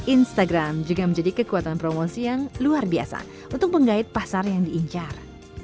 instagram juga menjadi kekuatan promosi yang luar biasa untuk menggait pasar yang diincar